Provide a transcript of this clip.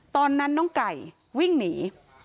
ตอนนั้นน้องไก่วิ่งหนี